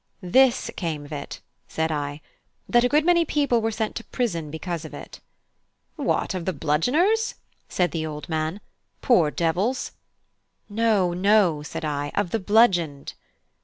"This came of it," said I, "that a good many people were sent to prison because of it." "What, of the bludgeoners?" said the old man. "Poor devils!" "No, no," said I, "of the bludgeoned."